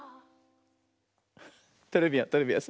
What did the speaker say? トレビアントレビアン。